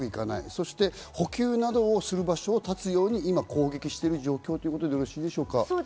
そして補給などをする場所を絶つように、今攻撃している状況ということでよろしいですか？